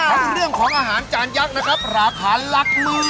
ทั้งเรื่องของอาหารจานยักษ์นะครับราคาหลักหมื่น